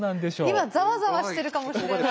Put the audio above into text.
今ザワザワしてるかもしれない。